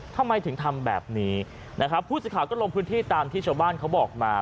ทำไมถึงทำแบบนี้นะครับผู้สื่อข่าวก็ลงพื้นที่ตามที่ชาวบ้านเขาบอกมา